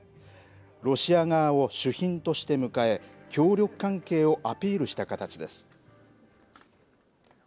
ロシア側を主賓として迎え、協力関係をアピールした形です。